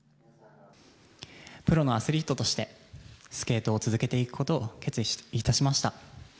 プロのアスリートとして、スケートを続けていくことを決意いたしました。